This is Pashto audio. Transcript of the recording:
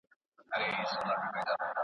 ور په یاد یې باید تېره بد بختي سي